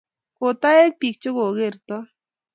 Ko taek biik che ko kertoi